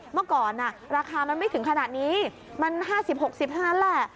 เมื่อก่อนราคามันไม่ถึงขนาดนี้มัน๕๐๖๐เท่านั้นแหละ